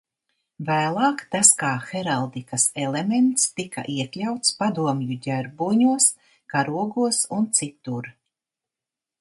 Vēlāk tas kā heraldikas elements tika iekļauts padomju ģerboņos, karogos un citur.